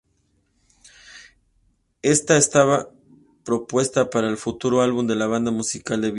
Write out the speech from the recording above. Esta estaba propuesta para el futuro álbum de la banda "Música de Vida".